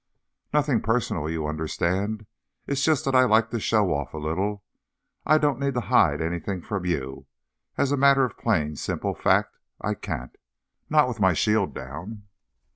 _ _Nothing personal, you understand. It's just that I'd like to show off a little. I don't need to hide anything from you—as a matter of plain, simple fact, I can't. Not with my shield down.